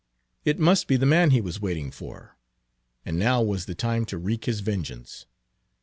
It must be the man he Page 322 was waiting for, and now was the time to wreak his vengeance.